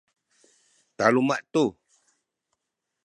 taluma’ tu